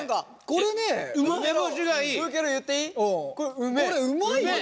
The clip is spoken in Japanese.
これうまいよ。